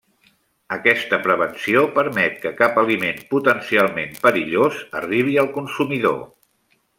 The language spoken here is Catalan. Aquesta prevenció permet que cap aliment potencialment perillós arribi al consumidor.